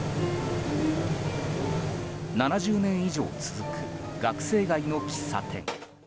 ７０年以上続く学生街の喫茶店。